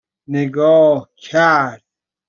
نگاه کرد